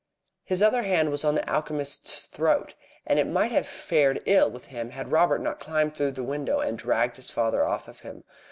His other hand was on the alchemist's throat, and it might have fared ill with him had Robert not climbed through the window and dragged his father off from him.